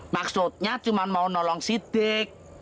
maksudnya cuma mau nolong sidik